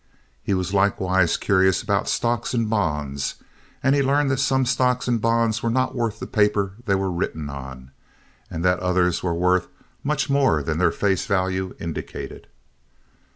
He was likewise curious about stocks and bonds and he learned that some stocks and bonds were not worth the paper they were written on, and that others were worth much more than their face value indicated.